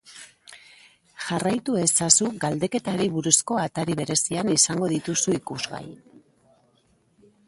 Jarraitu ezazu galdeketari buruzko atari berezian izango dituzu ikusgai.